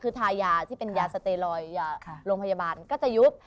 คือทายาที่เป็นยาสเตลอยโรงพยาบาลก็จะยุบ